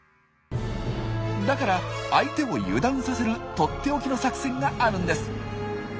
だから相手を油断させるとっておきの作戦があるんです。